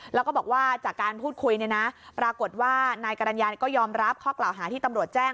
แล้วก็บอกว่าจากการพูดคุยเนี่ยนะปรากฏว่านายกรรณญาก็ยอมรับข้อกล่าวหาที่ตำรวจแจ้ง